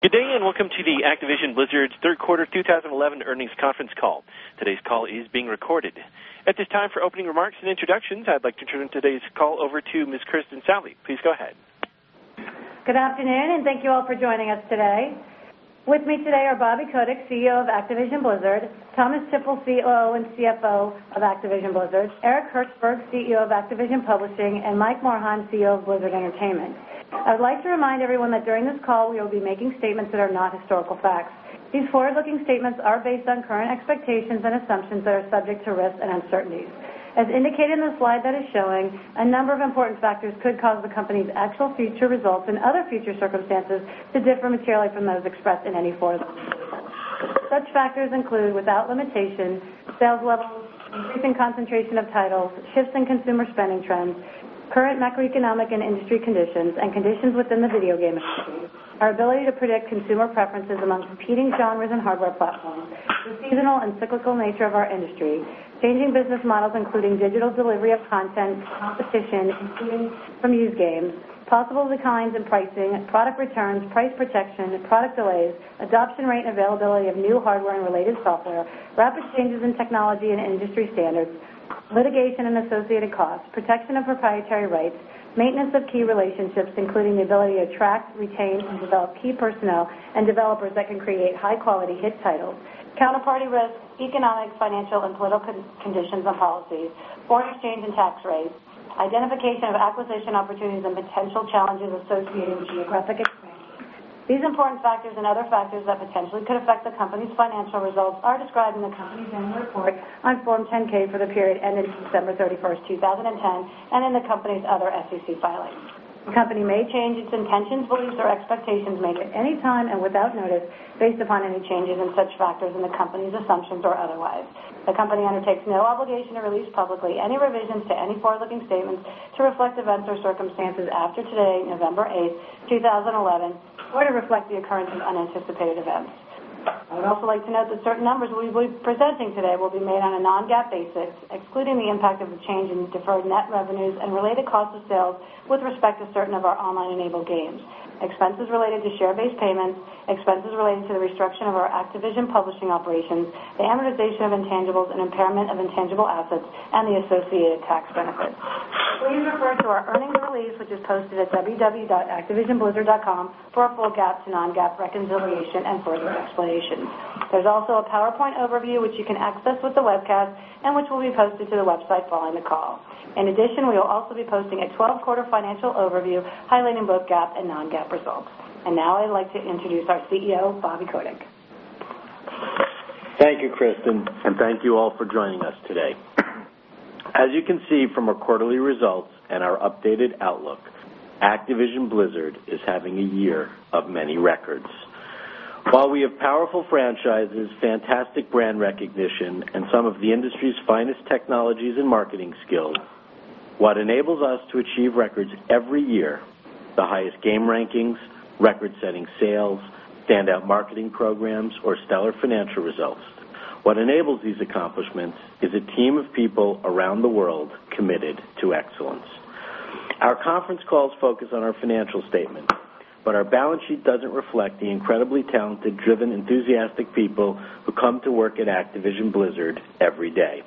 Good day and welcome to Activision Blizzard's third quarter 2011 earnings conference call. Today's call is being recorded. At this time, for opening remarks and introductions, I'd like to turn today's call over to Ms. Kristin Salley. Please go ahead. Good afternoon and thank you all for joining us today. With me today are Bobby Kotick, CEO of Activision Blizzard; Thomas Tippl, COO and CFO of Activision Blizzard; Eric Hirshberg, CEO of Activision Publishing; and Mike Morhaime, CEO of Blizzard Entertainment. I would like to remind everyone that during this call, we will be making statements that are not historical facts. These forward-looking statements are based on current expectations and assumptions that are subject to risks and uncertainties. As indicated in the slide that is showing, a number of important factors could cause the company's actual future results and other future circumstances to differ materially from those expressed in any forward-looking statement. Such factors include, without limitation, sales levels, increase in concentration of titles, shifts in consumer spending trends, current macroeconomic and industry conditions, and conditions within the video game industry, our ability to predict consumer preferences among competing genres and hardware platforms, the seasonal and cyclical nature of our industry, changing business models including digital delivery of content, competition, and seeding from used games, possible declines in pricing, product returns, price protection, product delays, adoption rate and availability of new hardware and related software, rapid changes in technology and industry standards, litigation and associated costs, protection of proprietary rights, maintenance of key relationships, including the ability to attract, retain, and develop key personnel and developers that can create high-quality hit titles, counterparty risks, economic, financial, and political conditions and policies, foreign exchange and tax rates, identification of acquisition opportunities and potential challenges associated with geographic expansion. These important factors and other factors that potentially could affect the company's financial results are described in the company's annual report on Form 10-K for the period ending December 31, 2010, and in the company's other SEC filings. The company may change its intentions, beliefs, or expectations made at any time and without notice based upon any changes in such factors in the company's assumptions or otherwise. The company undertakes no obligation to release publicly any revisions to any forward-looking statements to reflect events or circumstances after today, November 8, 2011, or to reflect the occurrence of unanticipated events. I would also like to note that certain numbers we will be presenting today will be made on a non-GAAP basis, excluding the impact of a change in deferred net revenues and related costs of sales with respect to certain of our online-enabled games, expenses related to share-based payments, expenses related to the restructuring of our Activision Publishing operations, the amortization of intangibles and impairment of intangible assets, and the associated tax benefits. Please refer to our earnings release, which is posted at www.activisionblizzard.com, for a full GAAP to non-GAAP reconciliation and forward-looking explanation. There is also a PowerPoint overview, which you can access with the webcast and which will be posted to the website following the call. In addition, we will also be posting a 12-quarter financial overview highlighting both GAAP and non-GAAP results. Now I'd like to introduce our CEO, Bobby Kotick. Thank you, Kristin, and thank you all for joining us today. As you can see from our quarterly results and our updated outlook, Activision Blizzard is having a year of many records. While we have powerful franchises, fantastic brand recognition, and some of the industry's finest technologies and marketing skills, what enables us to achieve records every year, the highest game rankings, record-setting sales, standout marketing programs, or stellar financial results, what enables these accomplishments is a team of people around the world committed to excellence. Our conference calls focus on our financial statement, but our balance sheet doesn't reflect the incredibly talented, driven, enthusiastic people who come to work at Activision Blizzard every day.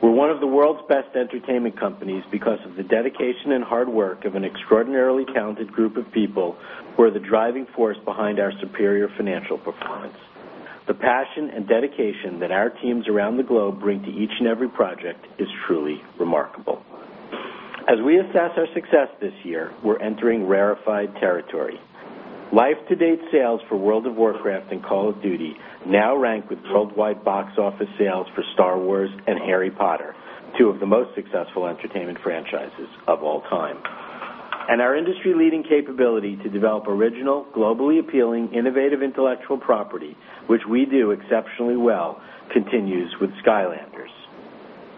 We're one of the world's best entertainment companies because of the dedication and hard work of an extraordinarily talented group of people who are the driving force behind our superior financial performance. The passion and dedication that our teams around the globe bring to each and every project is truly remarkable. As we assess our success this year, we're entering rarefied territory. Life-to-date sales for World of Warcraft and Call of Duty now rank with worldwide box office sales for Star Wars and Harry Potter, two of the most successful entertainment franchises of all time. Our industry-leading capability to develop original, globally appealing, innovative intellectual property, which we do exceptionally well, continues with Skylanders.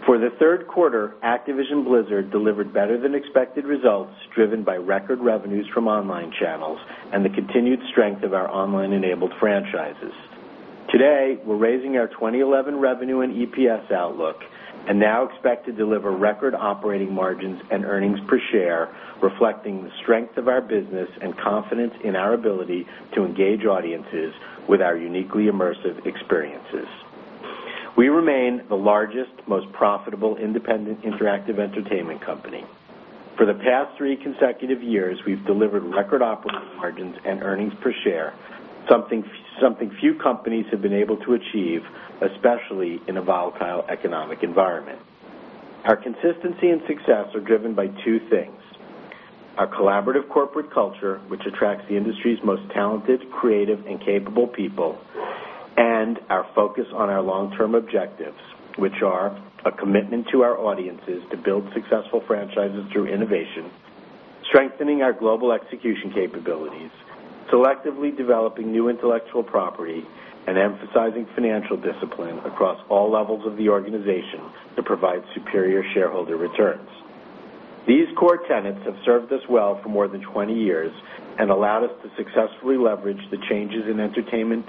For the third quarter, Activision Blizzard delivered better-than-expected results driven by record revenues from online channels and the continued strength of our online-enabled franchises. Today, we're raising our 2011 revenue and EPS outlook and now expect to deliver record operating margins and earnings per share, reflecting the strength of our business and confidence in our ability to engage audiences with our uniquely immersive experiences. We remain the largest, most profitable independent interactive entertainment company. For the past three consecutive years, we've delivered record operating margins and earnings per share, something few companies have been able to achieve, especially in a volatile economic environment. Our consistency and success are driven by two things: our collaborative corporate culture, which attracts the industry's most talented, creative, and capable people, and our focus on our long-term objectives, which are a commitment to our audiences to build successful franchises through innovation, strengthening our global execution capabilities, selectively developing new intellectual property, and emphasizing financial discipline across all levels of the organization to provide superior shareholder returns. These core tenets have served us well for more than 20 years and allowed us to successfully leverage the changes in entertainment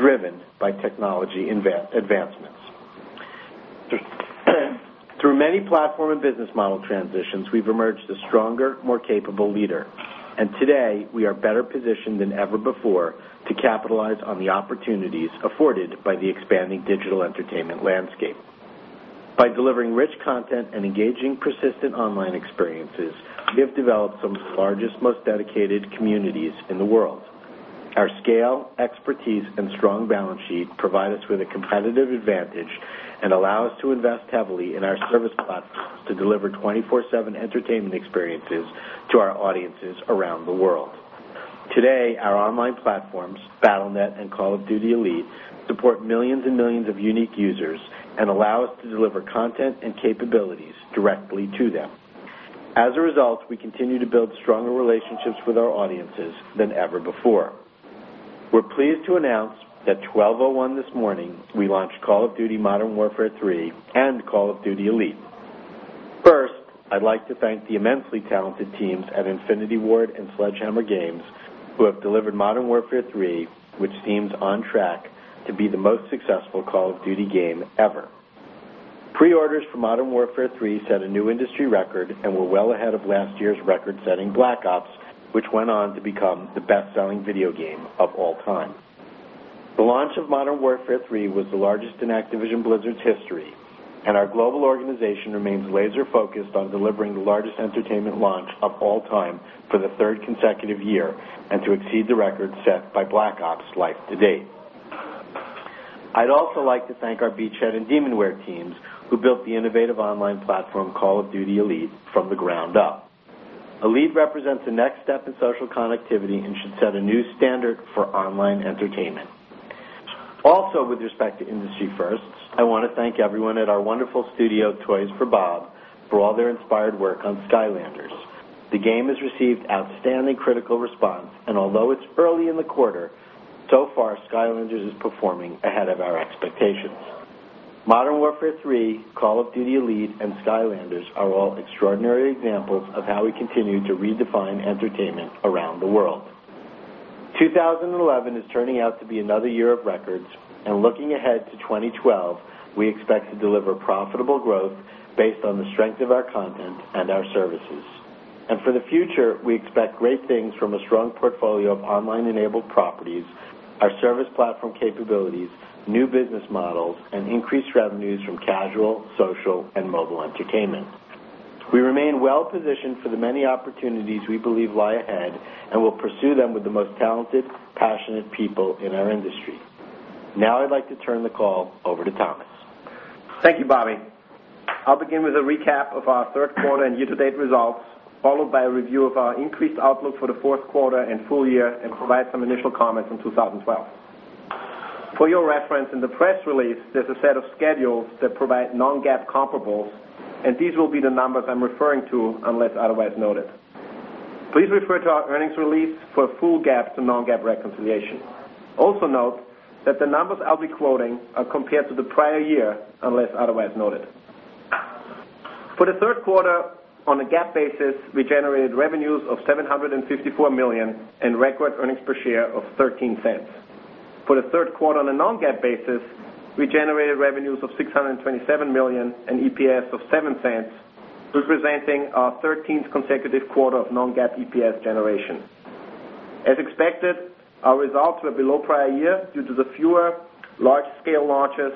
driven by technology advancements. Through many platform and business model transitions, we've emerged a stronger, more capable leader. Today, we are better positioned than ever before to capitalize on the opportunities afforded by the expanding digital entertainment landscape. By delivering rich content and engaging, persistent online experiences, we have developed some of the largest, most dedicated communities in the world. Our scale, expertise, and strong balance sheet provide us with a competitive advantage and allow us to invest heavily in our service platforms to deliver 24/7 entertainment experiences to our audiences around the world. Today, our online platforms, Battle.net and Call of Duty Elite, support millions and millions of unique users and allow us to deliver content and capabilities directly to them. As a result, we continue to build stronger relationships with our audiences than ever before. We're pleased to announce that at 12:01 A.M. this morning, we launch Call of Duty: Modern Warfare 3 and Call of Duty Elite. First, I'd like to thank the immensely talented teams at Infinity Ward and Sledgehammer Games who have delivered Modern Warfare 3, which seems on track to be the most successful Call of Duty game ever. Pre-orders for Modern Warfare 3 set a new industry record and were well ahead of last year's record-setting Black Ops, which went on to become the best-selling video game of all time. The launch of Modern Warfare 3 was the largest in Activision Blizzard's history, and our global organization remains laser-focused on delivering the largest entertainment launch of all time for the third consecutive year and to exceed the record set by Black Ops life-to-date. I'd also like to thank our Beachhead and Demonware teams who built the innovative online platform Call of Duty Elite from the ground up. Elite represents the next step in social connectivity and should set a new standard for online entertainment. Also, with respect to industry firsts, I want to thank everyone at our wonderful studio, Toys for Bob, for all their inspired work on Skylanders. The game has received outstanding critical response, and although it's early in the quarter, so far, Skylanders is performing ahead of our expectations. Modern Warfare 3, Call of Duty Elite, and Skylanders are all extraordinary examples of how we continue to redefine entertainment around the world. 2011 is turning out to be another year of records. Looking ahead to 2012, we expect to deliver profitable growth based on the strength of our content and our services. For the future, we expect great things from a strong portfolio of online-enabled properties, our service platform capabilities, new business models, and increased revenues from casual, social, and mobile entertainment. We remain well positioned for the many opportunities we believe lie ahead and will pursue them with the most talented, passionate people in our industry. Now I'd like to turn the call over to Thomas. Thank you, Bobby. I'll begin with a recap of our third quarter and year-to-date results, followed by a review of our increased outlook for the fourth quarter and full year, and provide some initial comments on 2012. For your reference, in the press release, there's a set of schedules that provide non-GAAP comparables, and these will be the numbers I'm referring to unless otherwise noted. Please refer to our earnings release for full GAAP to non-GAAP reconciliation. Also, note that the numbers I'll be quoting are compared to the prior year unless otherwise noted. For the third quarter, on a GAAP basis, we generated revenues of $754 million and record earnings per share of $0.13. For the third quarter, on a non-GAAP basis, we generated revenues of $627 million and EPS of $0.07, representing our 13th consecutive quarter of non-GAAP EPS generation. As expected, our results were below prior year due to the fewer large-scale launches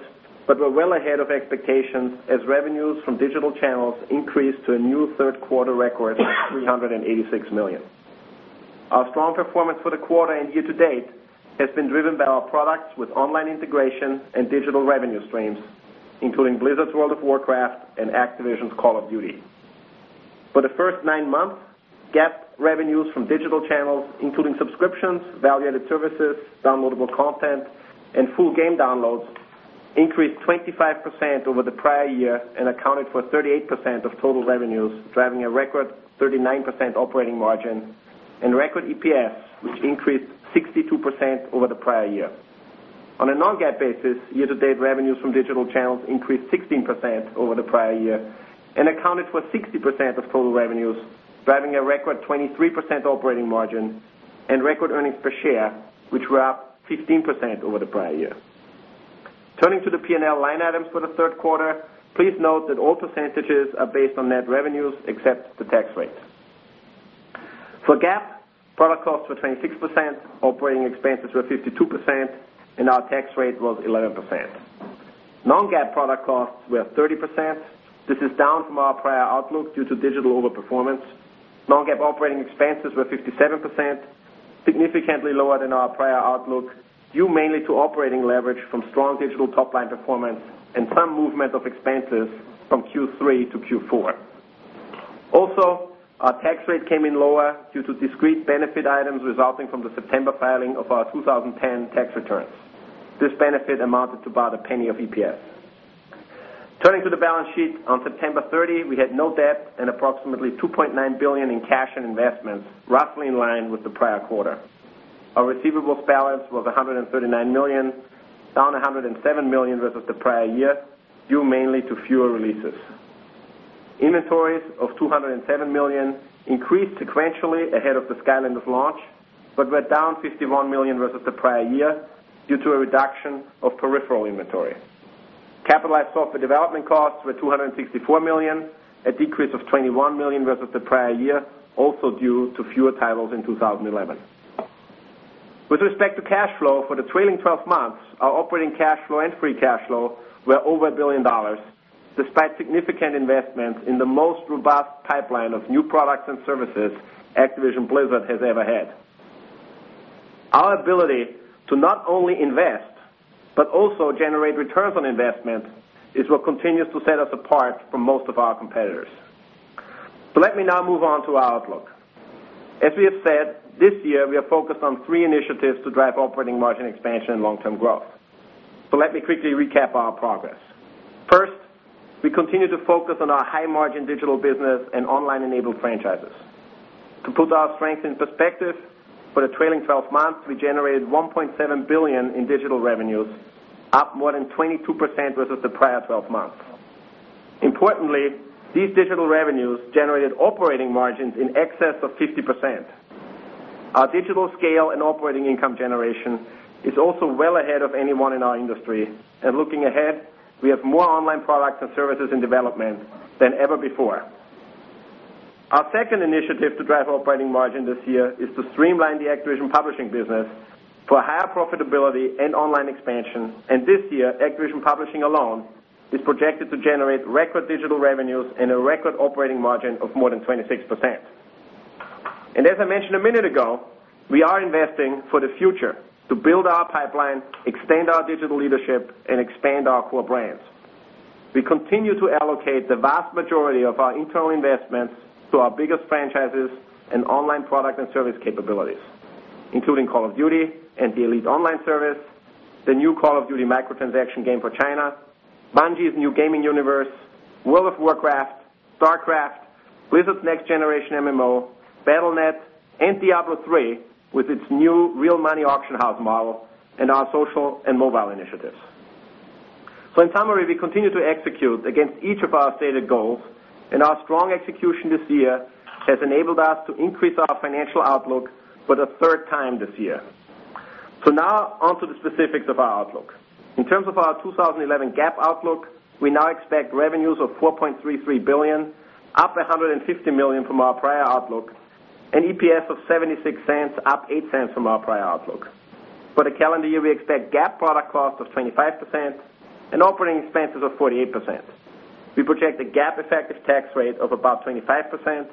but were well ahead of expectations as revenues from digital channels increased to a new third-quarter record of $386 million. Our strong performance for the quarter and year to date has been driven by our products with online integration and digital revenue streams, including Blizzard's World of Warcraft and Activision's Call of Duty. For the first nine months, GAAP revenues from digital channels, including subscriptions, value-added services, downloadable content, and full game downloads, increased 25% over the prior year and accounted for 38% of total revenues, driving a record 39% operating margin and record EPS, which increased 62% over the prior year. On a non-GAAP basis, year-to-date revenues from digital channels increased 16% over the prior year and accounted for 60% of total revenues, driving a record 23% operating margin and record earnings per share, which were up 15% over the prior year. Turning to the P&L line items for the third quarter, please note that all percentages are based on net revenues except the tax rate. For GAAP, product costs were 26%, operating expenses were 52%, and our tax rate was 11%. Non-GAAP product costs were 30%. This is down from our prior outlook due to digital overperformance. Non-GAAP operating expenses were 57%, significantly lower than our prior outlook, due mainly to operating leverage from strong digital top-line performance and some movement of expenses from Q3 to Q4. Also, our tax rate came in lower due to discrete benefit items resulting from the September filing of our 2010 tax returns. This benefit amounted to about a penny of EPS. Turning to the balance sheet, on September 30, we had no debt and approximately $2.9 billion in cash and investments, roughly in line with the prior quarter. Our receivables balance was $139 million, down $107 million versus the prior year, due mainly to fewer releases. Inventories of $207 million increased sequentially ahead of the Skylanders launch but were down $51 million versus the prior year due to a reduction of peripheral inventory. Capitalized software development costs were $264 million, a decrease of $21 million versus the prior year, also due to fewer titles in 2011. With respect to cash flow, for the trailing 12 months, our operating cash flow and free cash flow were over $1 billion, despite significant investments in the most robust pipeline of new products and services Activision Blizzard has ever had. Our ability to not only invest but also generate returns on investment is what continues to set us apart from most of our competitors. Let me now move on to our outlook. As we have said, this year we are focused on three initiatives to drive operating margin expansion and long-term growth. Let me quickly recap our progress. First, we continue to focus on our high-margin digital business and online-enabled franchises. To put our strength in perspective, for the trailing 12 months, we generated $1.7 billion in digital revenues, up more than 22% versus the prior 12 months. Importantly, these digital revenues generated operating margins in excess of 50%. Our digital scale and operating income generation is also well ahead of anyone in our industry. Looking ahead, we have more online products and services in development than ever before. Our second initiative to drive operating margin this year is to streamline the Activision Publishing business for higher profitability and online expansion. This year, Activision Publishing alone is projected to generate record digital revenues and a record operating margin of more than 26%. As I mentioned a minute ago, we are investing for the future to build our pipeline, extend our digital leadership, and expand our core brands. We continue to allocate the vast majority of our internal investments to our biggest franchises and online product and service capabilities, including Call of Duty and the Elite Online Service, the new Call of Duty microtransaction game for China, Bungie's new gaming universe, World of Warcraft, StarCraft, Blizzard's next-generation MMO, Battle.net, and Diablo III with its new real-money auction house model, and our social and mobile initiatives. In summary, we continue to execute against each of our stated goals, and our strong execution this year has enabled us to increase our financial outlook for the third time this year. Now onto the specifics of our outlook. In terms of our 2011 GAAP outlook, we now expect revenues of $4.33 billion, up $150 million from our prior outlook, and EPS of $0.76, up $0.08 from our prior outlook. For the calendar year, we expect GAAP product cost of 25% and operating expenses of 48%. We project a GAAP effective tax rate of about 25%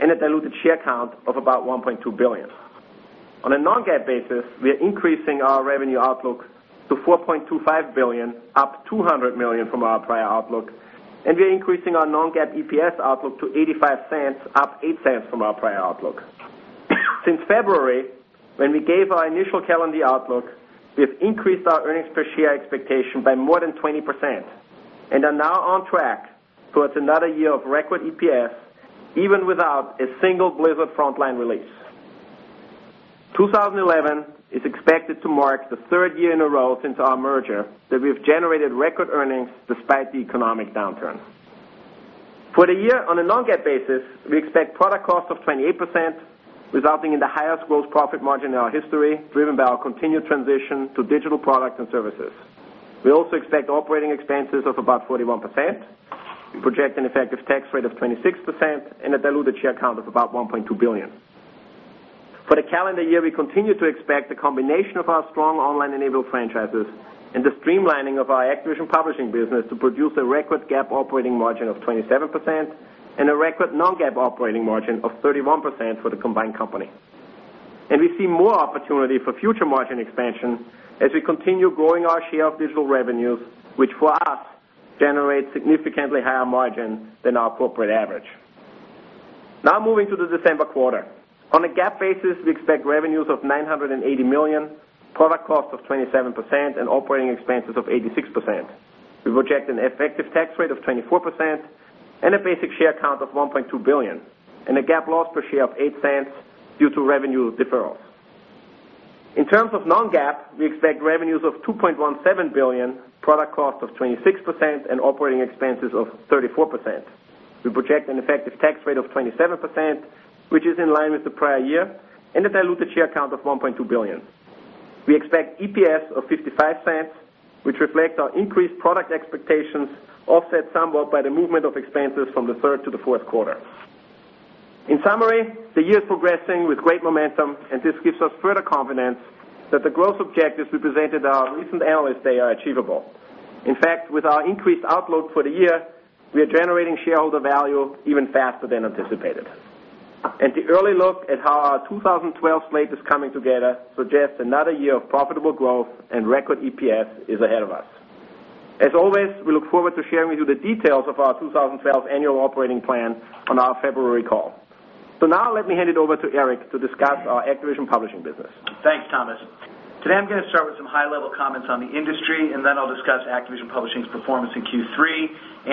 and a diluted share count of about 1.2 billion. On a non-GAAP basis, we are increasing our revenue outlook to $4.25 billion, up $200 million from our prior outlook, and we are increasing our non-GAAP EPS outlook to $0.85, up $0.08 from our prior outlook. Since February, when we gave our initial calendar year outlook, we have increased our earnings per share expectation by more than 20% and are now on track towards another year of record EPS even without a single Blizzard front-line release. 2011 is expected to mark the third year in a row since our merger that we have generated record earnings despite the economic downturn. For the year, on a non-GAAP basis, we expect product cost of 28%, resulting in the highest gross profit margin in our history, driven by our continued transition to digital products and services. We also expect operating expenses of about 41%. We project an effective tax rate of 26% and a diluted share count of about 1.2 billion. For the calendar year, we continue to expect the combination of our strong online-enabled franchises and the streamlining of our Activision Publishing business to produce a record GAAP operating margin of 27% and a record non-GAAP operating margin of 31% for the combined company. We see more opportunity for future margin expansion as we continue growing our share of digital revenues, which for us generates significantly higher margin than our corporate average. Now moving to the December quarter. On a GAAP basis, we expect revenues of $980 million, product cost of 27%, and operating expenses of 86%. We project an effective tax rate of 24% and a basic share count of 1.2 billion and a GAAP loss per share of $0.08 due to revenue deferrals. In terms of non-GAAP, we expect revenues of $2.17 billion, product cost of 26%, and operating expenses of 34%. We project an effective tax rate of 27%, which is in line with the prior year, and a diluted share count of 1.2 billion. We expect EPS of $0.55, which reflects our increased product expectations, offset somewhat by the movement of expenses from the third to the fourth quarter. In summary, the year is progressing with great momentum, and this gives us further confidence that the growth objectives we presented in our recent analyst data are achievable. In fact, with our increased outlook for the year, we are generating shareholder value even faster than anticipated. The early look at how our 2012 slate is coming together suggests another year of profitable growth and record EPS is ahead of us. As always, we look forward to sharing with you the details of our 2012 annual operating plan on our February call. Now let me hand it over to Eric to discuss our Activision Publishing business. Thanks, Thomas. Today, I'm going to start with some high-level comments on the industry, and then I'll discuss Activision Publishing's performance in Q3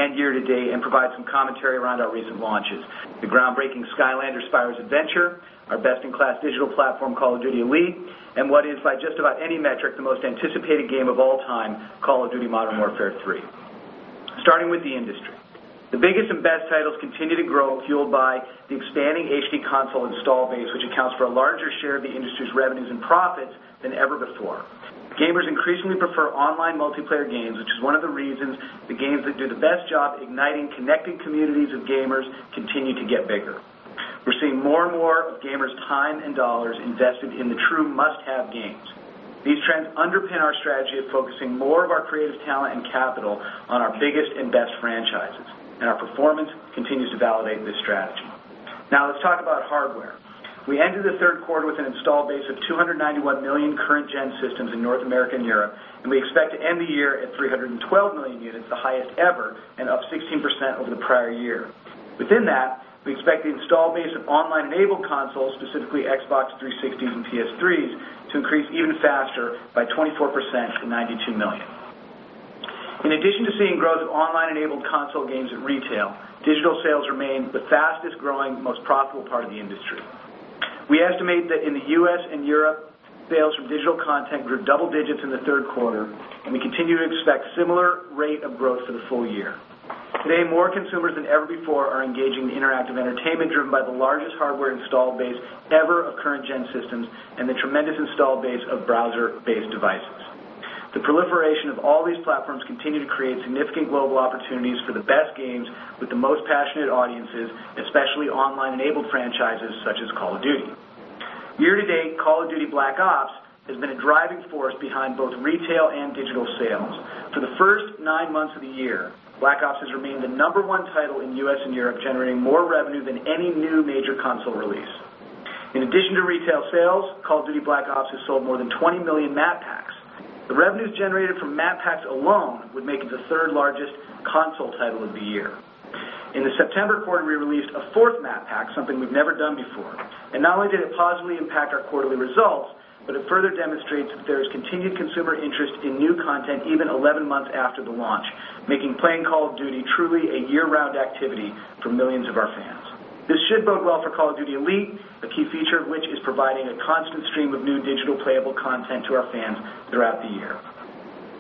and year to date and provide some commentary around our recent launches: the groundbreaking Skylanders: Spyro’s Adventure, our best-in-class digital platform, Call of Duty Elite, and what is, by just about any metric, the most anticipated game of all time, Call of Duty: Modern Warfare 3. Starting with the industry, the biggest and best titles continue to grow, fueled by the expanding HD console install base, which accounts for a larger share of the industry's revenues and profits than ever before. Gamers increasingly prefer online multiplayer games, which is one of the reasons the games that do the best job igniting connected communities of gamers continue to get bigger. We're seeing more and more of gamers' time and dollars invested in the true must-have games. These trends underpin our strategy of focusing more of our creative talent and capital on our biggest and best franchises, and our performance continues to validate this strategy. Now let's talk about hardware. We entered the third quarter with an install base of 291 million current-gen systems in North America and Europe, and we expect to end the year at 312 million units, the highest ever and up 16% over the prior year. Within that, we expect the install base of online-enabled consoles, specifically Xbox 360s and PS3s, to increase even faster by 24% to 92 million. In addition to seeing growth of online-enabled console games at retail, digital sales remain the fastest-growing, most profitable part of the industry. We estimate that in the U.S. and Europe, sales from digital content grew double digits in the third quarter, and we continue to expect a similar rate of growth for the full year. Today, more consumers than ever before are engaging in interactive entertainment driven by the largest hardware install base ever of current-gen systems and the tremendous install base of browser-based devices. The proliferation of all these platforms continues to create significant global opportunities for the best games with the most passionate audiences, especially online-enabled franchises such as Call of Duty. Year to date, Call of Duty: Black Ops has been a driving force behind both retail and digital sales. For the first nine months of the year, Black Ops has remained the number one title in the U.S. and Europe, generating more revenue than any new major console release. In addition to retail sales, Call of Duty: Black Ops has sold more than 20 million map packs. The revenues generated from map packs alone would make it the third largest console title of the year. In the September quarter, we released a fourth map pack, something we've never done before. Not only did it positively impact our quarterly results, but it further demonstrates that there is continued consumer interest in new content even 11 months after the launch, making playing Call of Duty truly a year-round activity for millions of our fans. This should bode well for Call of Duty Elite, a key feature of which is providing a constant stream of new digital playable content to our fans throughout the year.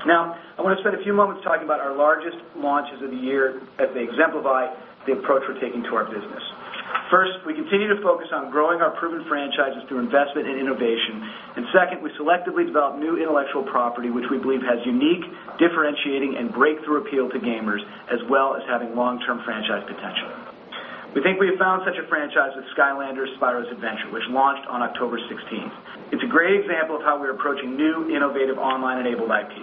Now I want to spend a few moments talking about our largest launches of the year as they exemplify the approach we're taking to our business. First, we continue to focus on growing our proven franchises through investment and innovation. Second, we selectively develop new intellectual property, which we believe has unique, differentiating, and breakthrough appeal to gamers, as well as having long-term franchise potential. We think we have found such a franchise with Skylanders: Spyro’s Adventure, which launched on October 16th. It's a great example of how we're approaching new, innovative online-enabled IP.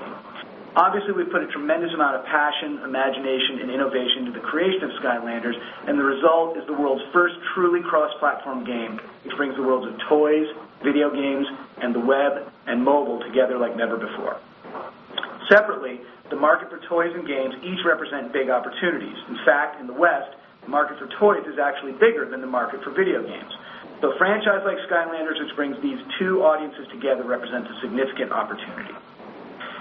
Obviously, we've put a tremendous amount of passion, imagination, and innovation into the creation of Skylanders, and the result is the world's first truly cross-platform game, which brings the worlds of toys, video games, and the web and mobile together like never before. Separately, the market for toys and games each represent big opportunities. In fact, in the West, the market for toys is actually bigger than the market for video games. A franchise like Skylanders, which brings these two audiences together, represents a significant opportunity.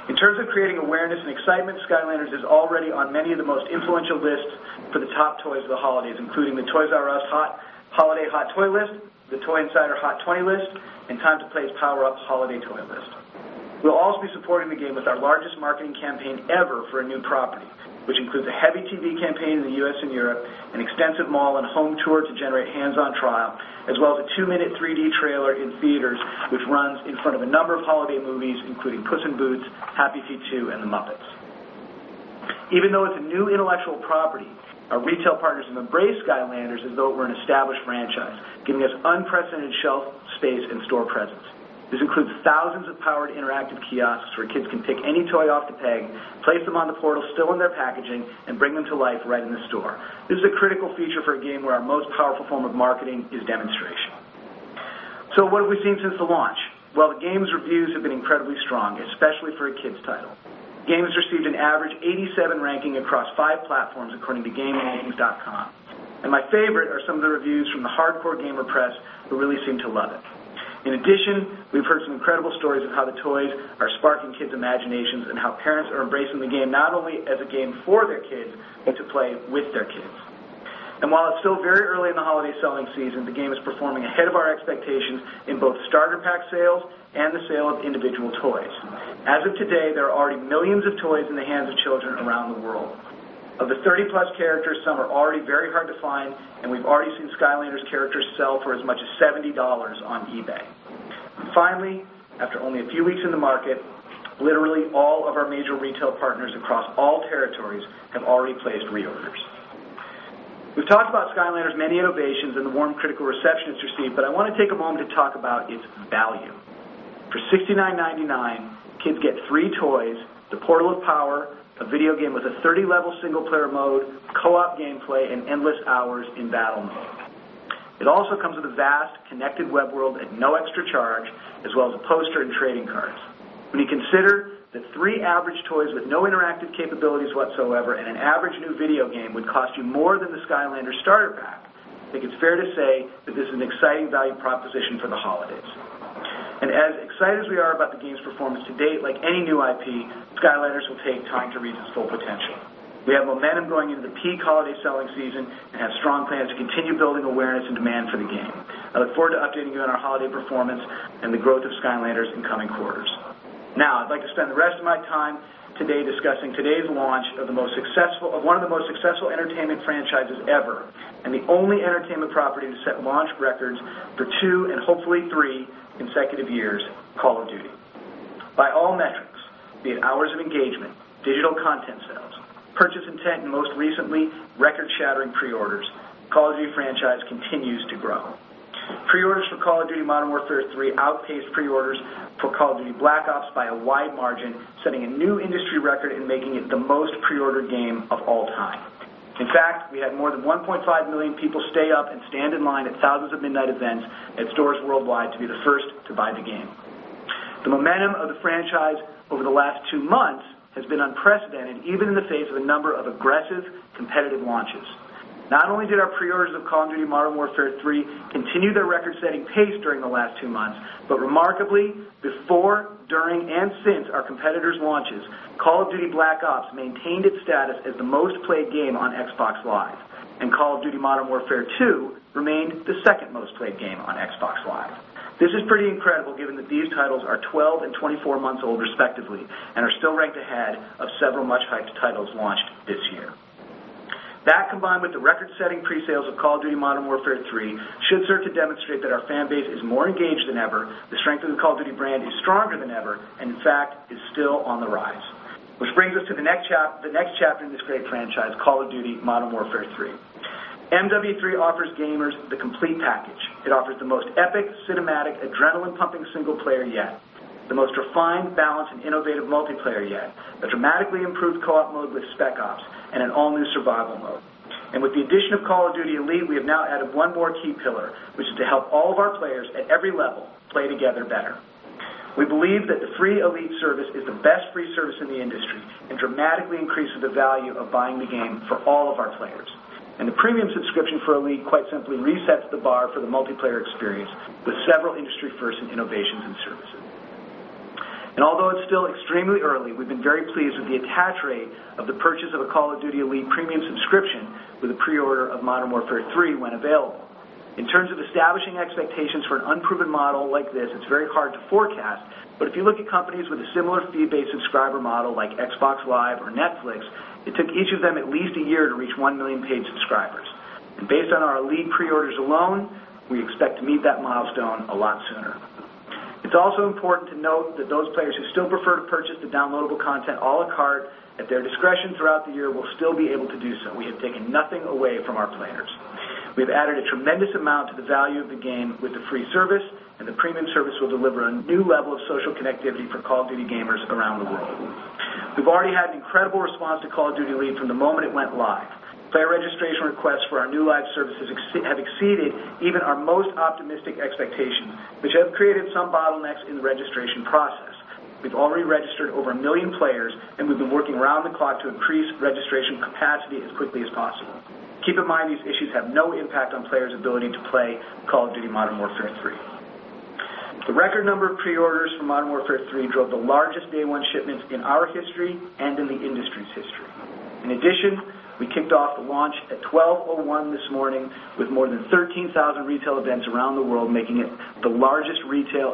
In terms of creating awareness and excitement, Skylanders is already on many of the most influential lists for the top toys of the holidays, including the Toys "R" Us Hot Holiday Hot Toy List, the Toy Insider "Hot 20" List, and Time to Play's "Power Up" Holiday Toy List. We’ll also be supporting the game with our largest marketing campaign ever for a new property, which includes a heavy TV campaign in the U.S. and Europe, an extensive mall and home tour to generate hands-on trial, as well as a two-minute 3D trailer in theaters, which runs in front of a number of holiday movies, including Puss in Boots, Happy Feet 2, and The Muppets. Even though it’s a new intellectual property, our retail partners have embraced Skylanders as though it were an established franchise, giving us unprecedented shelf space and store presence. This includes thousands of powered interactive kiosks where kids can pick any toy off the peg, place them on the portal still in their packaging, and bring them to life right in the store. This is a critical feature for a game where our most powerful form of marketing is demonstration. What have we seen since the launch? The game’s reviews have been incredibly strong, especially for a kids’ title. The game has received an average 87 ranking across five platforms, according to GameRankings.com. My favorite are some of the reviews from the hardcore gamer press who really seem to love it. In addition, we’ve heard some incredible stories of how the toys are sparking kids’ imaginations and how parents are embracing the game not only as a game for their kids but to play with their kids. While it’s still very early in the holiday selling season, the game is performing ahead of our expectations in both starter pack sales and the sale of individual toys. As of today, there are already millions of toys in the hands of children around the world. Of the 30-plus characters, some are already very hard to find, and we’ve already seen Skylanders characters sell for as much as $70 on eBay. Finally, after only a few weeks in the market, literally all of our major retail partners across all territories have already placed reorders. We’ve talked about Skylanders’ many innovations and the warm critical reception it’s received, but I want to take a moment to talk about its value. For $69.99, kids get three toys, the Portal of Power, a video game with a 30-level single-player mode, co-op gameplay, and endless hours in battle mode. It also comes with a vast connected web world at no extra charge, as well as a poster and trading cards. When you consider that three average toys with no interactive capabilities whatsoever and an average new video game would cost you more than the Skylanders starter pack, I think it's fair to say that this is an exciting value proposition for the holidays. As excited as we are about the game's performance to date, like any new IP, Skylanders will take time to reach its full potential. We have momentum going into the peak holiday selling season and have strong plans to continue building awareness and demand for the game. I look forward to updating you on our holiday performance and the growth of Skylanders in coming quarters. Now I'd like to spend the rest of my time today discussing today's launch of one of the most successful entertainment franchises ever and the only entertainment property to set launch records for two and hopefully three consecutive years, Call of Duty. By all methods, be it hours of engagement, digital content sales, purchase intent, and most recently, record-shattering pre-orders, Call of Duty franchise continues to grow. Pre-orders for Call of Duty: Modern Warfare 3 outpace pre-orders for Call of Duty: Black Ops by a wide margin, setting a new industry record and making it the most pre-ordered game of all time. In fact, we had more than 1.5 million people stay up and stand in line at thousands of midnight events at stores worldwide to be the first to buy the game. The momentum of the franchise over the last two months has been unprecedented, even in the face of a number of aggressive, competitive launches. Not only did our pre-orders of Call of Duty: Modern Warfare 3 continue their record-setting pace during the last two months, but remarkably, before, during, and since our competitors' launches, Call of Duty: Black Ops maintained its status as the most played game on Xbox Live, and Call of Duty: Modern Warfare 2 remained the second most played game on Xbox Live. This is pretty incredible, given that these titles are 12 and 24 months old respectively and are still ranked ahead of several much-hyped titles launched this year. That combined with the record-setting pre-sales of Call of Duty: Modern Warfare 3 should serve to demonstrate that our fan base is more engaged than ever, the strength of the Call of Duty brand is stronger than ever, and in fact, is still on the rise, which brings us to the next chapter in this great franchise, Call of Duty: Modern Warfare 3. MW3 offers gamers the complete package. It offers the most epic, cinematic, adrenaline-pumping single-player yet, the most refined, balanced, and innovative multiplayer yet, a dramatically improved co-op mode with Spec Ops and an all-new survival mode. With the addition of Call of Duty Elite, we have now added one more key pillar, which is to help all of our players at every level play together better. We believe that the free Elite service is the best free service in the industry and dramatically increases the value of buying the game for all of our players. The premium subscription for Elite quite simply resets the bar for the multiplayer experience with several industry-first innovations and services. Although it's still extremely early, we've been very pleased with the attach rate of the purchase of a Call of Duty Elite premium subscription with a pre-order of Modern Warfare 3 when available. In terms of establishing expectations for an unproven model like this, it's very hard to forecast. If you look at companies with a similar fee-based subscriber model like Xbox Live or Netflix, it took each of them at least a year to reach 1 million paid subscribers. Based on our Elite pre-orders alone, we expect to meet that milestone a lot sooner. It's also important to note that those players who still prefer to purchase the downloadable content a la carte at their discretion throughout the year will still be able to do so. We have taken nothing away from our players. We have added a tremendous amount to the value of the game with the free service, and the premium service will deliver a new level of social connectivity for Call of Duty gamers around the world. We've already had an incredible response to Call of Duty Elite from the moment it went live. Player registration requests for our new live services have exceeded even our most optimistic expectations, which have created some bottlenecks in the registration process. We've already registered over 1 million players, and we've been working around the clock to increase registration capacity as quickly as possible. Keep in mind these issues have no impact on players' ability to play Call of Duty: Modern Warfare 3. The record number of pre-orders for Modern Warfare 3 drove the largest day-one shipments in our history and in the industry's history. In addition, we kicked off the launch at 12:01 A.M. this morning with more than 13,000 retail events around the world, making it the largest retail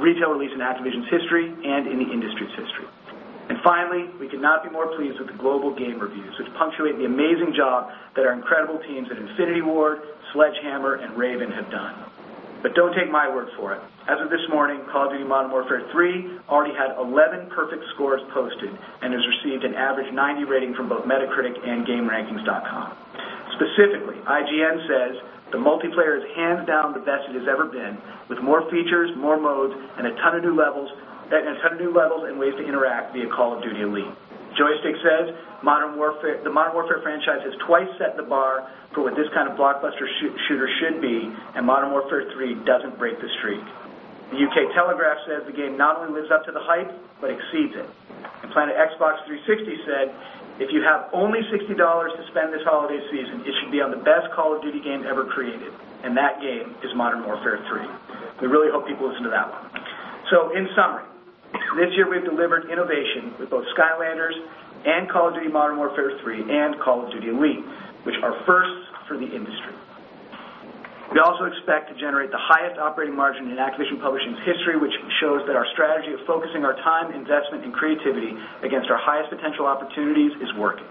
release in Activision's history and in the industry's history. Finally, we cannot be more pleased with the global game reviews, which punctuate the amazing job that our incredible teams at Infinity Ward, Sledgehammer, and Raven have done. Do not take my word for it. As of this morning, Call of Duty: Modern Warfare 3 already had 11 perfect scores posted and has received an average 90 rating from both Metacritic and GameRankings.com. Specifically, IGN says the multiplayer is hands down the best it has ever been, with more features, more modes, and a ton of new levels and ways to interact via Call of Duty Elite. Joystick says the Modern Warfare franchise has twice set the bar for what this kind of blockbuster shooter should be, and Modern Warfare 3 does not break the streak. The UK Telegraph says the game not only lives up to the hype but exceeds it. Planet Xbox 360 said if you have only $60 to spend this holiday season, it should be on the best Call of Duty game ever created, and that game is Modern Warfare 3. We really hope people listen to that one. In summary, this year we have delivered innovation with both Skylanders and Call of Duty: Modern Warfare 3 and Call of Duty Elite, which are firsts for the industry. We also expect to generate the highest operating margin in Activision Publishing's history, which shows that our strategy of focusing our time, investment, and creativity against our highest potential opportunities is working.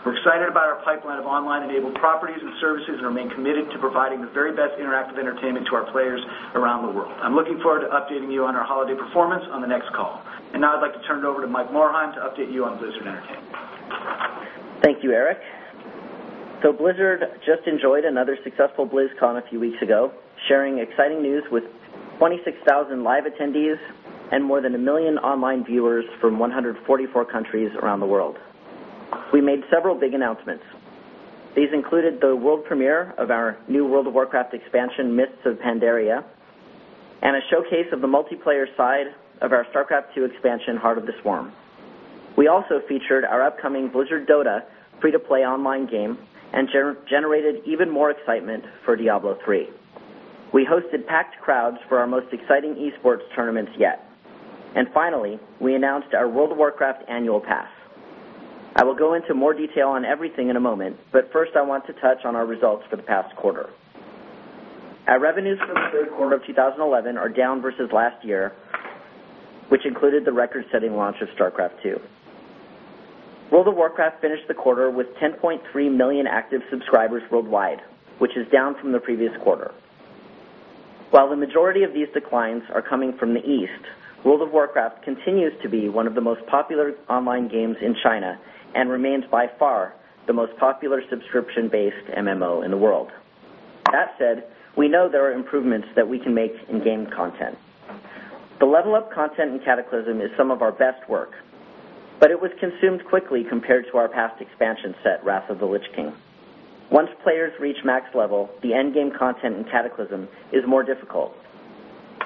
We are excited about our pipeline of online-enabled properties and services and remain committed to providing the very best interactive entertainment to our players around the world. I am looking forward to updating you on our holiday performance on the next call. I would like to turn it over to Mike Morhaime to update you on Blizzard Entertainment. Thank you, Eric. Blizzard just enjoyed another successful BlizzCon a few weeks ago, sharing exciting news with 26,000 live attendees and more than 1 million online viewers from 144 countries around the world. We made several big announcements. These included the world premiere of our new World of Warcraft expansion, Mists of Pandaria, and a showcase of the multiplayer side of our StarCraft II expansion, Heart of the Swarm. We also featured our upcoming Blizzard DOTA free-to-play online game and generated even more excitement for Diablo III. We hosted packed crowds for our most exciting eSports tournaments yet. Finally, we announced our World of Warcraft Annual Pass. I will go into more detail on everything in a moment, but first I want to touch on our results for the past quarter. Our revenues for the third quarter of 2011 are down versus last year, which included the record-setting launch of StarCraft II. World of Warcraft finished the quarter with 10.3 million active subscribers worldwide, which is down from the previous quarter. While the majority of these declines are coming from the East, World of Warcraft continues to be one of the most popular online games in China and remains by far the most popular subscription-based MMO in the world. That said, we know there are improvements that we can make in game content. The level-up content in Cataclysm is some of our best work, but it was consumed quickly compared to our past expansion set, Wrath of the Lich King. Once players reach max level, the endgame content in Cataclysm is more difficult.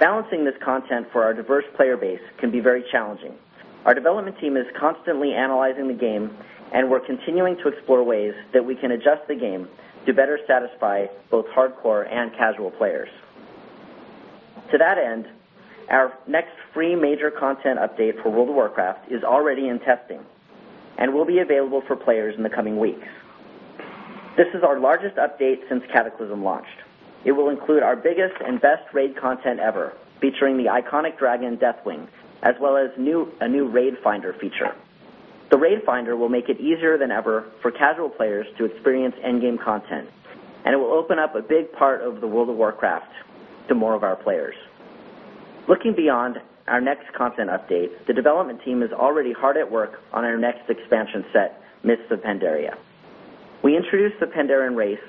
Balancing this content for our diverse player base can be very challenging. Our development team is constantly analyzing the game, and we're continuing to explore ways that we can adjust the game to better satisfy both hardcore and casual players. To that end, our next free major content update for World of Warcraft is already in testing and will be available for players in the coming weeks. This is our largest update since Cataclysm launched. It will include our biggest and best raid content ever, featuring the iconic dragon Deathwing, as well as a new Raid Finder feature. The Raid Finder will make it easier than ever for casual players to experience endgame content, and it will open up a big part of World of Warcraft to more of our players. Looking beyond our next content update, the development team is already hard at work on our next expansion set, Mists of Pandaria. We introduced the Pandaren race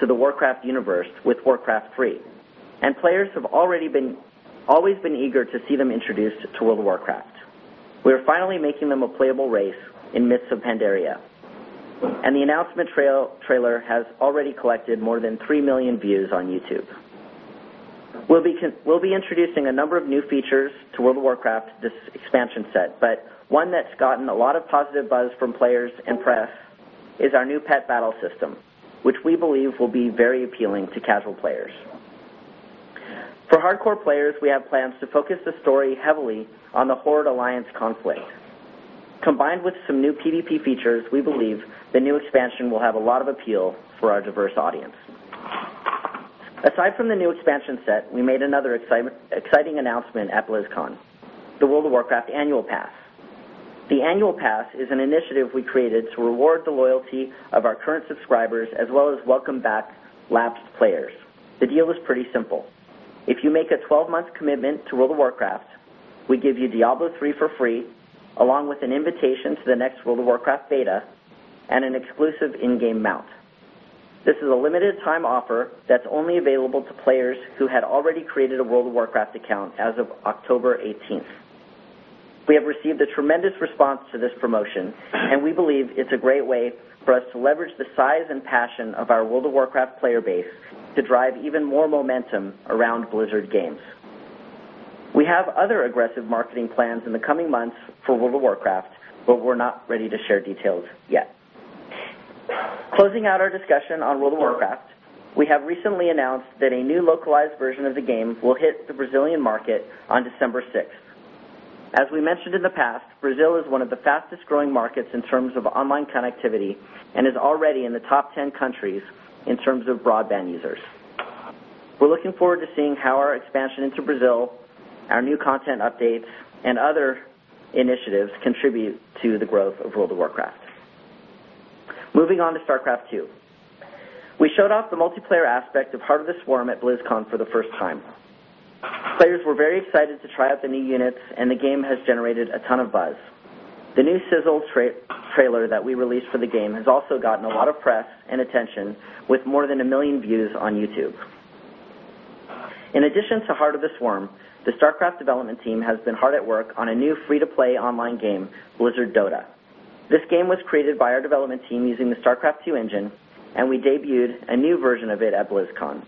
to the Warcraft universe with Warcraft III, and players have always been eager to see them introduced to World of Warcraft. We are finally making them a playable race in Mists of Pandaria, and the announcement trailer has already collected more than 3 million views on YouTube. We will be introducing a number of new features to World of Warcraft with this expansion set, but one that's gotten a lot of positive buzz from players and press is our new pet battle system, which we believe will be very appealing to casual players. For hardcore players, we have plans to focus the story heavily on the Horde-Alliance conflict. Combined with some new PvP features, we believe the new expansion will have a lot of appeal for our diverse audience. Aside from the new expansion set, we made another exciting announcement at BlizzCon: the World of Warcraft Annual Pass. The Annual Pass is an initiative we created to reward the loyalty of our current subscribers as well as welcome back lapsed players. The deal is pretty simple. If you make a 12-month commitment to World of Warcraft, we give you Diablo III for free, along with an invitation to the next World of Warcraft beta and an exclusive in-game mount. This is a limited-time offer that's only available to players who had already created a World of Warcraft account as of October 18. We have received a tremendous response to this promotion, and we believe it's a great way for us to leverage the size and passion of our World of Warcraft player base to drive even more momentum around Blizzard games. We have other aggressive marketing plans in the coming months for World of Warcraft, but we're not ready to share details yet. Closing out our discussion on World of Warcraft, we have recently announced that a new localized version of the game will hit the Brazilian market on December 6th. As we mentioned in the past, Brazil is one of the fastest-growing markets in terms of online connectivity and is already in the top 10 countries in terms of broadband users. We are looking forward to seeing how our expansion into Brazil, our new content updates, and other initiatives contribute to the growth of World of Warcraft. Moving on to StarCraft II, we showed off the multiplayer aspect of Heart of the Swarm at BlizzCon for the first time. Players were very excited to try out the new units, and the game has generated a ton of buzz. The new sizzle trailer that we released for the game has also gotten a lot of press and attention, with more than a million views on YouTube. In addition to Heart of the Swarm, the StarCraft development team has been hard at work on a new free-to-play online game, Blizzard DOTA. This game was created by our development team using the StarCraft II engine, and we debuted a new version of it at BlizzCon.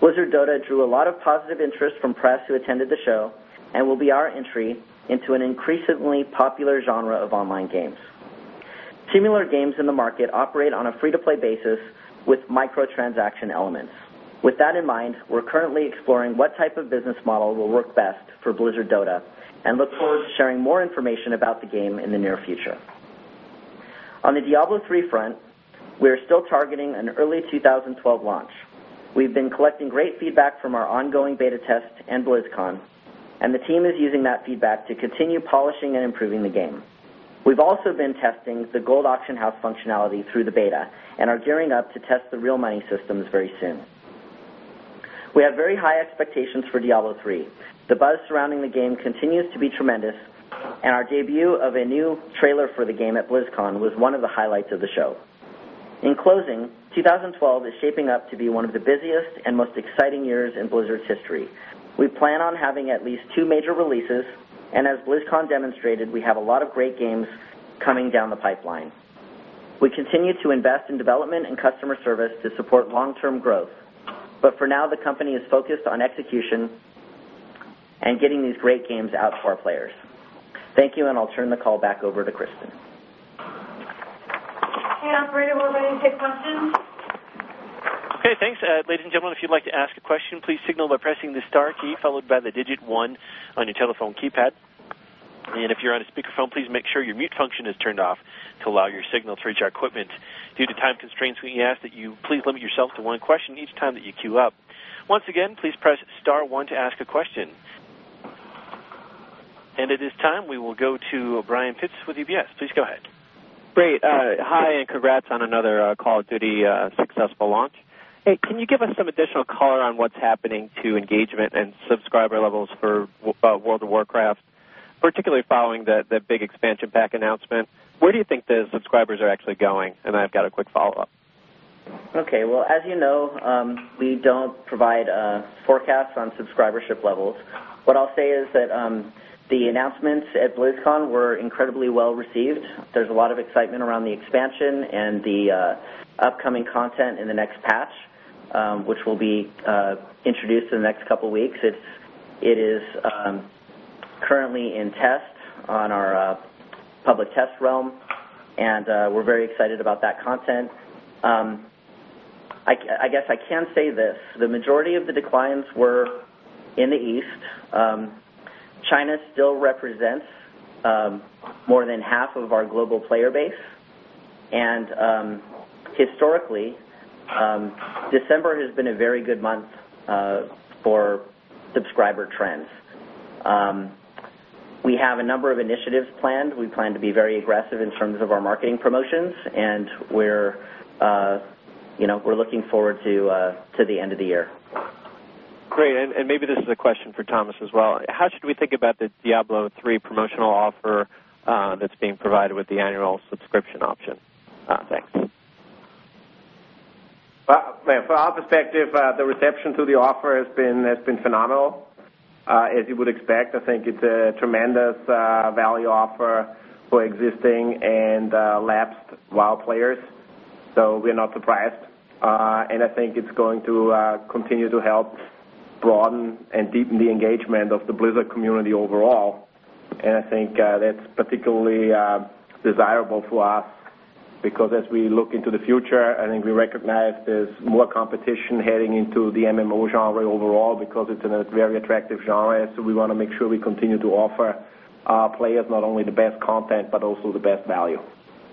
Blizzard DOTA drew a lot of positive interest from press who attended the show and will be our entry into an increasingly popular genre of online games. Similar games in the market operate on a free-to-play basis with microtransaction elements. With that in mind, we're currently exploring what type of business model will work best for Blizzard DOTA and look forward to sharing more information about the game in the near future. On the Diablo III front, we are still targeting an early 2012 launch. We've been collecting great feedback from our ongoing beta tests and BlizzCon, and the team is using that feedback to continue polishing and improving the game. We've also been testing the Gold Auction House functionality through the beta and are gearing up to test the real-money systems very soon. We have very high expectations for Diablo III. The buzz surrounding the game continues to be tremendous, and our debut of a new trailer for the game at BlizzCon was one of the highlights of the show. In closing, 2012 is shaping up to be one of the busiest and most exciting years in Blizzard's history. We plan on having at least two major releases, and as BlizzCon demonstrated, we have a lot of great games coming down the pipeline. We continue to invest in development and customer service to support long-term growth. For now, the company is focused on execution and getting these great games out for our players. Thank you, and I'll turn the call back over to Kristin. Hey, operator, we're ready to take questions. OK, thanks. Ladies and gentlemen, if you'd like to ask a question, please signal by pressing the star key followed by the digit one on your telephone keypad. If you're on a speakerphone, please make sure your mute function is turned off to allow your signal to reach our equipment. Due to time constraints, we ask that you please limit yourself to one question each time that you queue up. Once again, please press star one to ask a question. At this time, we will go to Brian Pitz with UBS. Please go ahead. Great. Hi, and congrats on another Call of Duty successful launch. Can you give us some additional color on what's happening to engagement and subscriber levels for World of Warcraft, particularly following the big expansion pack announcement? Where do you think the subscribers are actually going? I've got a quick follow-up. As you know, we don't provide forecasts on subscribership levels. What I'll say is that the announcements at BlizzCon were incredibly well received. There's a lot of excitement around the expansion and the upcoming content in the next patch, which will be introduced in the next couple of weeks. It is currently in test on our public test realm, and we're very excited about that content. I guess I can say this: the majority of the declines were in the East. China still represents more than half of our global player base. Historically, December has been a very good month for subscriber trends. We have a number of initiatives planned. We plan to be very aggressive in terms of our marketing promotions, and we're looking forward to the end of the year. Great, and maybe this is a question for Thomas as well. How should we think about the Diablo III promotional offer that's being provided with the annual subscription option? Thanks. From our perspective, the reception to the offer has been phenomenal, as you would expect. I think it's a tremendous value offer for existing and lapsed World of Warcraft players, so we're not surprised. I think it's going to continue to help broaden and deepen the engagement of the Blizzard community overall. I think that's particularly desirable for us because as we look into the future, I think we recognize there's more competition heading into the MMO genre overall because it's a very attractive genre. We want to make sure we continue to offer our players not only the best content but also the best value.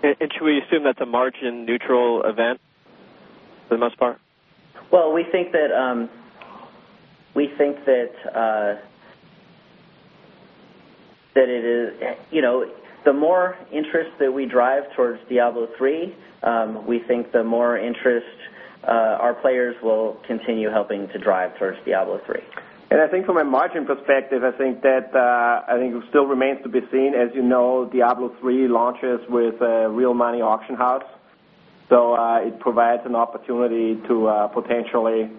Should we assume that's a margin-neutral event for the most part? We think that the more interest that we drive towards Diablo III, we think the more interest our players will continue helping to drive towards Diablo III. I think from a margin perspective, it still remains to be seen. As you know, Diablo III launches with a real-money auction house, so it provides an opportunity to potentially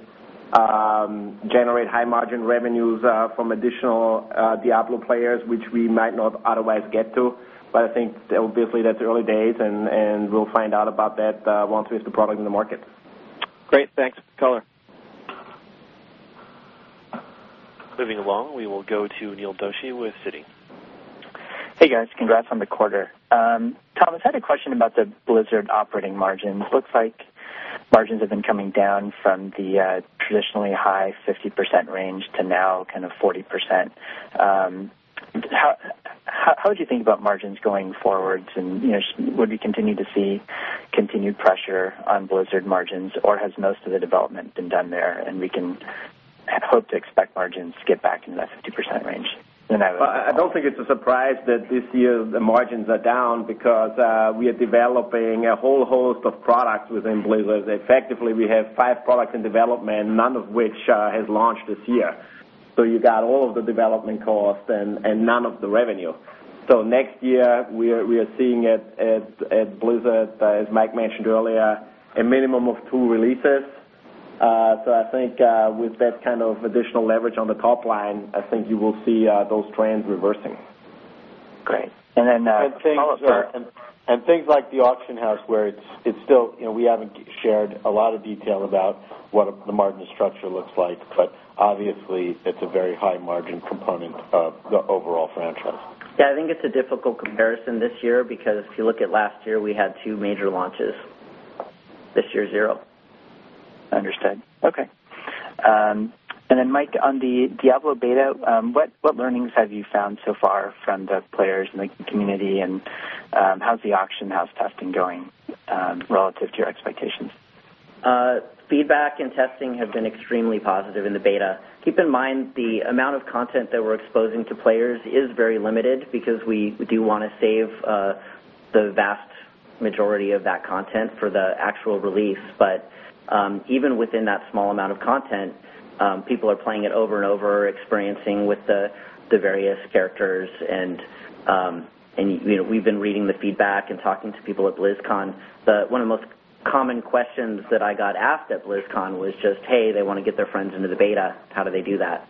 generate high-margin revenues from additional Diablo players, which we might not otherwise get to. Obviously, that's early days, and we'll find out about that once we have the product in the market. Great, thanks. Color. Moving along, we will go to Neil Doshi with Citi. Hey, guys. Congrats on the quarter. Thomas, I had a question about the Blizzard operating margins. Looks like margins have been coming down from the traditionally high 50% range to now kind of 40%. How would you think about margins going forward? Would we continue to see continued pressure on Blizzard margins, or has most of the development been done there, and we can hope to expect margins to get back into that 50% range? I don't think it's a surprise that this year the margins are down because we are developing a whole host of products within Blizzard. Effectively, we have five products in development, none of which has launched this year. You've got all of the development costs and none of the revenue. Next year, we are seeing at Blizzard, as Mike mentioned earlier, a minimum of two releases. I think with that kind of additional leverage on the top line, you will see those trends reversing. Great. Then. Things like the real-money auction house, where we still haven't shared a lot of detail about what the margin structure looks like, are obviously a very high margin component of the overall franchise. Yeah, I think it's a difficult comparison this year because if you look at last year, we had two major launches. This year, zero. I understand. Okay. Mike, on the Diablo beta, what learnings have you found so far from the players in the community, and how's the auction house testing going relative to your expectations? Feedback and testing have been extremely positive in the beta. Keep in mind the amount of content that we're exposing to players is very limited because we do want to save the vast majority of that content for the actual release. Even within that small amount of content, people are playing it over and over, experiencing with the various characters. We've been reading the feedback and talking to people at BlizzCon. One of the most common questions that I got asked at BlizzCon was just, hey, they want to get their friends into the beta. How do they do that?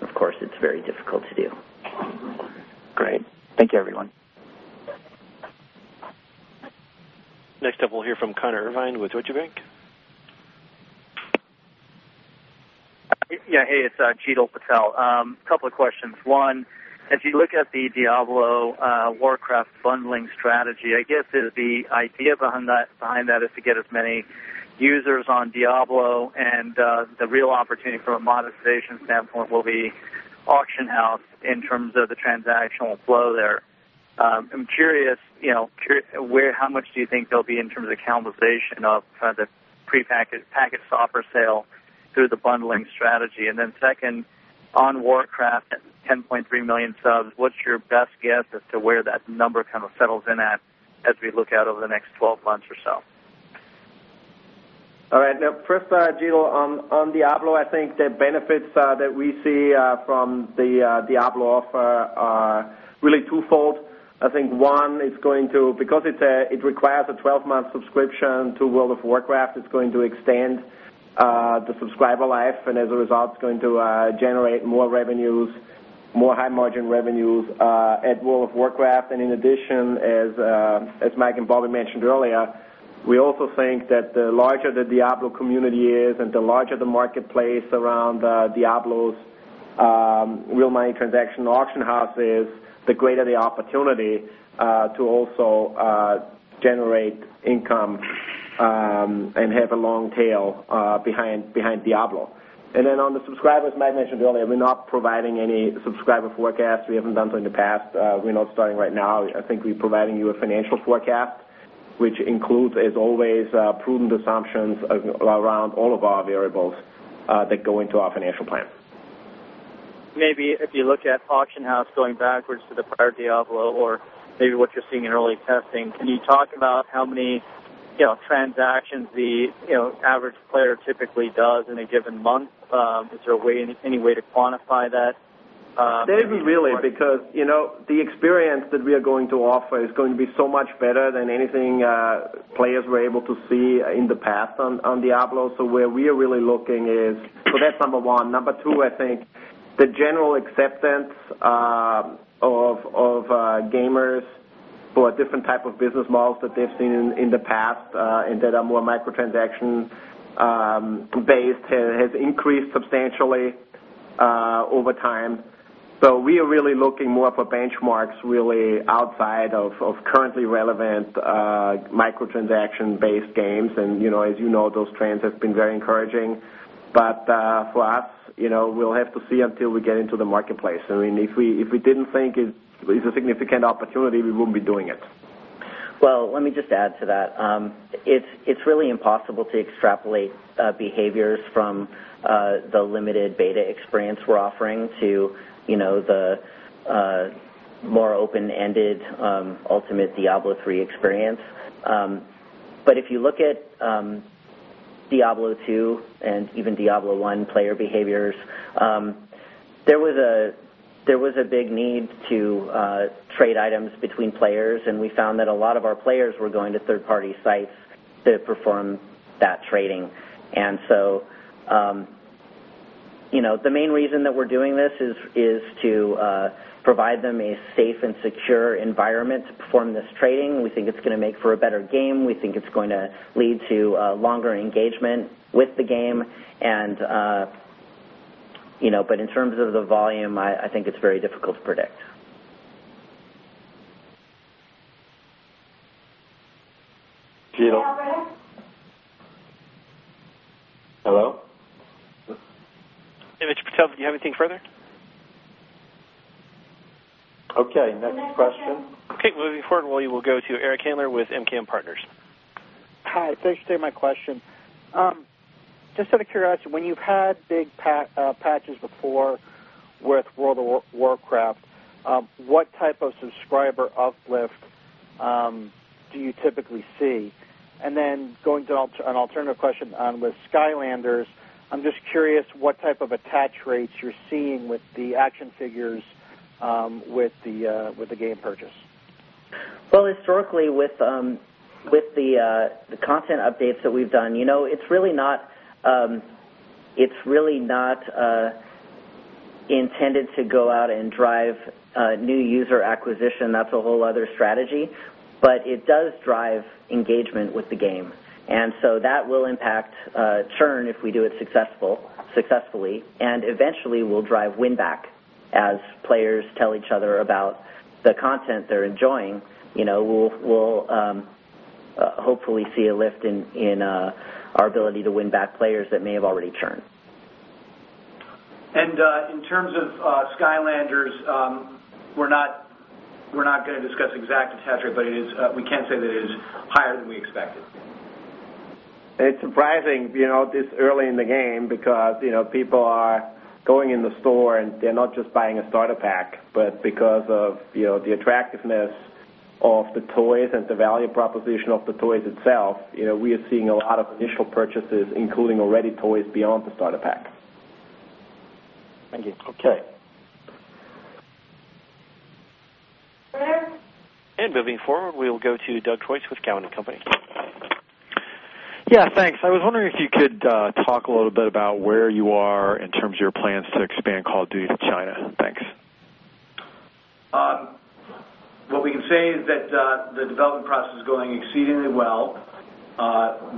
Of course, it's very difficult to do. Great. Thank you, everyone. Next up, we'll hear from Connor Irvine with Deutsche Bank. Yeah, hey, it's Jeetil Patel. A couple of questions. One, as you look at the Diablo Warcraft bundling strategy, I guess the idea behind that is to get as many users on Diablo, and the real opportunity from a monetization standpoint will be auction house in terms of the transactional flow there. I'm curious, you know, how much do you think there'll be in terms of the capitalization of kind of the prepackaged software sale through the bundling strategy? Then second, on Warcraft at 10.3 million subs, what's your best guess as to where that number kind of settles in at as we look out over the next 12 months or so? All right. First, Jeetil, on Diablo, I think the benefits that we see from the Diablo offer are really twofold. I think, one, it's going to, because it requires a 12-month subscription to World of Warcraft, it's going to extend the subscriber life. As a result, it's going to generate more revenues, more high-margin revenues at World of Warcraft. In addition, as Mike and Bobby mentioned earlier, we also think that the larger the Diablo community is and the larger the marketplace around Diablo's real-money auction house is, the greater the opportunity to also generate income and have a long tail behind Diablo. On the subscribers, Mike mentioned earlier, we're not providing any subscriber forecasts. We haven't done so in the past. We're not starting right now. I think we're providing you a financial forecast, which includes, as always, prudent assumptions around all of our variables that go into our financial plan. Maybe if you look at the real-money auction house going backwards to the prior Diablo or maybe what you're seeing in early testing, can you talk about how many transactions the average player typically does in a given month? Is there any way to quantify that? There isn't really, because you know the experience that we are going to offer is going to be so much better than anything players were able to see in the past on Diablo. Where we are really looking is, that's number one. Number two, I think the general acceptance of gamers for a different type of business models that they've seen in the past and that are more microtransaction-based has increased substantially over time. We are really looking more for benchmarks really outside of currently relevant microtransaction-based games. As you know, those trends have been very encouraging. For us, we'll have to see until we get into the marketplace. I mean, if we didn't think it's a significant opportunity, we wouldn't be doing it. Let me just add to that. It's really impossible to extrapolate behaviors from the limited beta experience we're offering to the more open-ended, ultimate Diablo III experience. If you look at Diablo II and even Diablo I player behaviors, there was a big need to trade items between players. We found that a lot of our players were going to third-party sites to perform that trading. The main reason that we're doing this is to provide them a safe and secure environment to perform this trading. We think it's going to make for a better game and we think it's going to lead to longer engagement with the game. In terms of the volume, I think it's very difficult to predict. Jekaytil. Yeah, go ahead. Hello? Hey, Mr. Patel, do you have anything further? Ok, next question. Ok, moving forward, we will go to Eric Handler with MKM Partners. Hi, thanks for taking my question. Just out of curiosity, when you've had big patches before with World of Warcraft, what type of subscriber uplift do you typically see? Going to an alternative question with Skylanders, I'm just curious what type of attach rates you're seeing with the action figures with the game purchase. Historically, with the content updates that we've done, you know, it's really not intended to go out and drive new user acquisition. That's a whole other strategy. It does drive engagement with the game, and that will impact churn if we do it successfully. Eventually, we'll drive win-back as players tell each other about the content they're enjoying. We'll hopefully see a lift in our ability to win back players that may have already churned. In terms of Skylanders, we're not going to discuss exact attach rate, but we can say that it is higher than we expected. It's surprising this early in the game because people are going in the store, and they're not just buying a starter pack. Because of the attractiveness of the toys and the value proposition of the toys itself, we are seeing a lot of initial purchases, including already toys beyond the starter pack. Thank you. Ok. There. Moving forward, we will go to Doug Creutz with Cowen and Company. Yeah, thanks. I was wondering if you could talk a little bit about where you are in terms of your plans to expand Call of Duty to China. Thanks. What we can say is that the development process is going exceedingly well.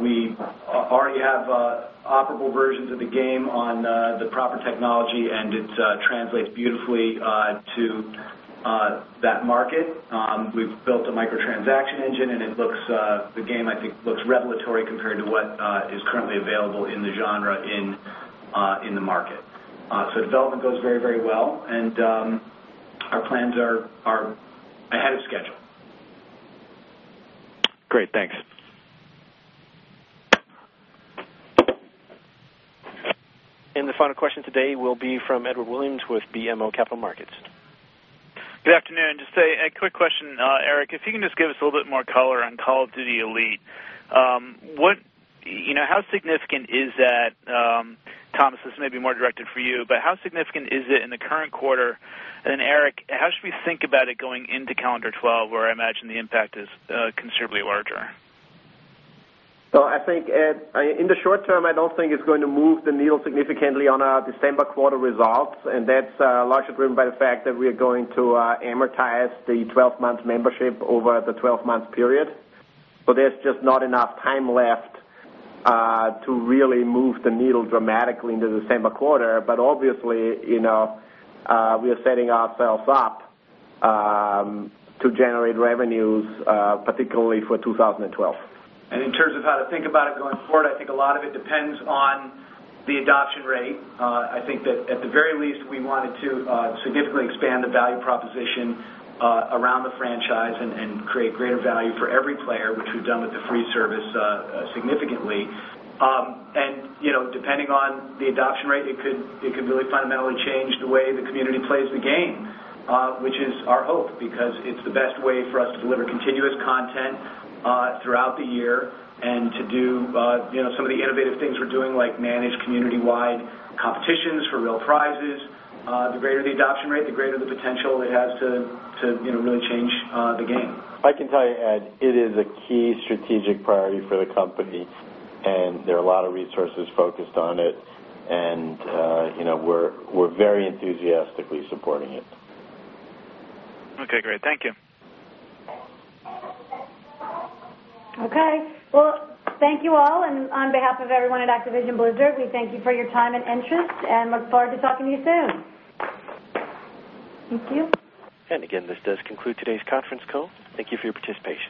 We already have operable versions of the game on the proper technology, and it translates beautifully to that market. We've built a microtransaction engine, and the game, I think, looks revelatory compared to what is currently available in the genre in the market. Development goes very, very well, and our plans are ahead of schedule. Great, thanks. The final question today will be from Edward Williams with BMO Capital Markets. Good afternoon. Just a quick question, Eric. If you can just give us a little bit more color on Call of Duty Elite, how significant is that? Thomas, this may be more directed for you, but how significant is it in the current quarter? Eric, how should we think about it going into calendar 2012, where I imagine the impact is considerably larger? I think in the short term, I don't think it's going to move the needle significantly on our December quarter results. That's largely driven by the fact that we are going to amortize the 12-month membership over the 12-month period. There's just not enough time left to really move the needle dramatically in the December quarter. Obviously, we are setting ourselves up to generate revenues, particularly for 2012. In terms of how to think about it going forward, I think a lot of it depends on the adoption rate. At the very least, we wanted to significantly expand the value proposition around the franchise and create great value for every player, which we've done with the free service significantly. Depending on the adoption rate, it could really fundamentally change the way the community plays the game, which is our hope, because it's the best way for us to deliver continuous content throughout the year and to do some of the innovative things we're doing, like manage community-wide competitions for real prizes. The greater the adoption rate, the greater the potential it has to really change the game. I can tell you, Ed, it is a key strategic priority for the company, and there are a lot of resources focused on it. We're very enthusiastically supporting it. OK, great. Thank you. Thank you all. On behalf of everyone at Activision Blizzard, we thank you for your time and interest and look forward to talking to you soon. Thank you. This does conclude today's conference call. Thank you for your participation.